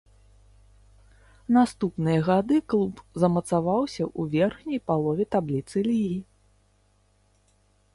Наступныя гады клуб замацаваўся ў верхняй палове табліцы лігі.